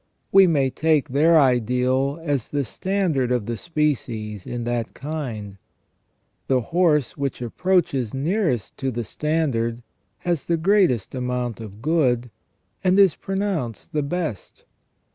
We may take their ideal as the standard of the species in that kind : the horse which approaches nearest to the standard has the greatest amount of good, and is pro nounced the best.